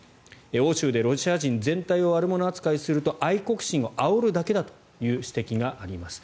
欧州でロシア人全体を悪者扱いすると愛国心をあおるだけだという指摘があります。